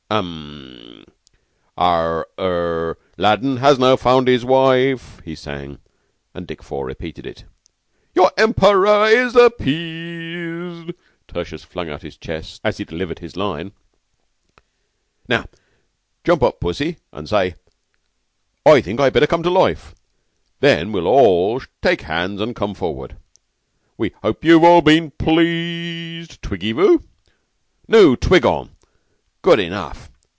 "Um! Ah! Er 'Aladdin now has won his wife,'" he sang, and Dick Four repeated it. "'Your Emperor is appeased.'" Tertius flung out his chest as he delivered his line. "Now jump up, Pussy! Say, 'I think I'd better come to life!' Then we all take hands and come forward: 'We hope you've all been pleased.' Twiggez vous?" "Nous twiggons. Good enough.